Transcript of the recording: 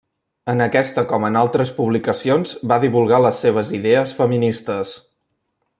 En aquesta com en altres publicacions va divulgar les seves idees feministes.